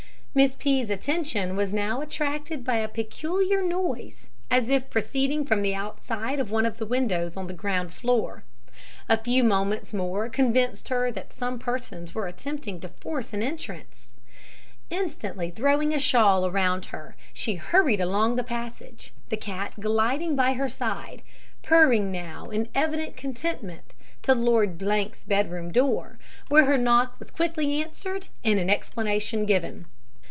Miss P 's attention was now attracted by a peculiar noise, as if proceeding from the outside of one of the windows on the ground floor. A few moments more convinced her that some persons were attempting to force an entrance. Instantly throwing a shawl around her, she hurried along the passage, the cat gliding by her side, purring now in evident contentment, to Lord 's bed room door, where her knock was quickly answered, and an explanation given.